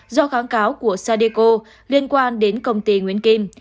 do kháng cáo của sadeco liên quan đến công ty nguyễn kim